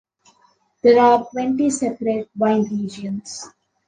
There are twenty separate wine regions.